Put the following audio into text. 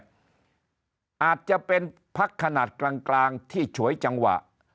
อาจจะเป็นพักขนาดกลางที่ฉวยจังหวะ